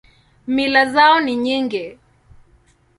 Mila zao ni nyingi.